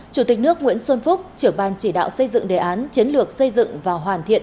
chủ tịch nước nguyễn xuân phúc trưởng ban chỉ đạo xây dựng đề án chiến lược xây dựng và hoàn thiện